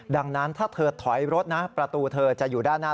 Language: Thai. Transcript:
ดังนั้นถ้าเธอถอยรถนะประตูเธอจะอยู่ด้านหน้า